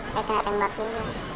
saya kena tembakin